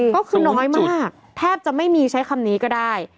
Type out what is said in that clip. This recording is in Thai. ก็คือน้อยมากแทบจะไม่มีใช้คำนี้ก็ได้